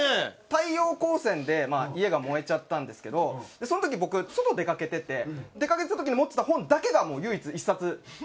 太陽光線で家が燃えちゃったんですけどその時僕外出かけてて出かけてた時に持ってた本だけが唯一１冊生き残ってたんですね。